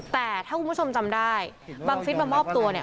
แต่ถ้าคุณผู้ชมจำได้บังฟิศมามอบตัวเนี่ย